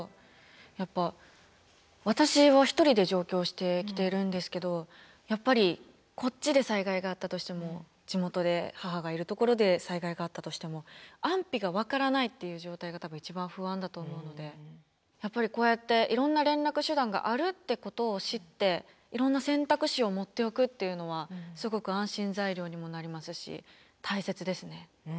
やっぱ私は１人で上京してきてるんですけどやっぱりこっちで災害があったとしても地元で母がいるところで災害があったとしても安否が分からないっていう状態が多分一番不安だと思うのでやっぱりこうやっていろんな連絡手段があるってことを知っていろんな選択肢を持っておくっていうのはすごく安心材料にもなりますし大切ですね。